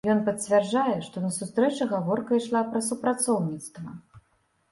Ён пацвярджае, што на сустрэчы гаворка ішла пра супрацоўніцтва.